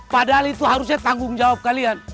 padahal itu harusnya tanggung jawab kalian